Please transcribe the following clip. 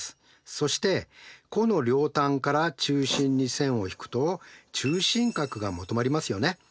そして弧の両端から中心に線を引くと中心角が求まりますよね。